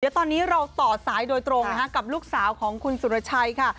เดี๋ยวตอนนี้เราต่อสายโดยตรงกับลูกสาวของคุณสุรชัยค่ะ